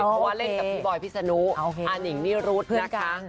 เพราะว่าเล่นกับพี่บอยพิษนุอานิงนิรุธนะคะ